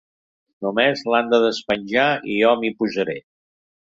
Només l'han de despenjar i jo m'hi posaré.